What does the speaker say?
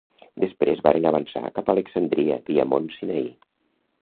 Després varen avançar cap a Alexandria via Mont Sinaí.